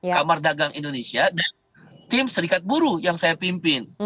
kamar dagang indonesia dan tim serikat buruh yang saya pimpin